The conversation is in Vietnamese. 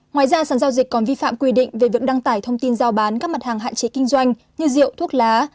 ngoài ra sản giao dịch còn vi phạm quy định về việc đăng tải thông tin giao bán các mặt hàng hạn chế kinh doanh như rượu thuốc lá